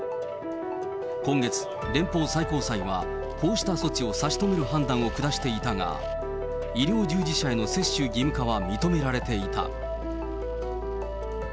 今月、連邦最高裁はこうした措置を差し止める判断を下していたが、医療従事者への接種義務化は認められていた。